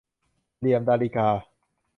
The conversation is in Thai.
เหลี่ยมดาริกา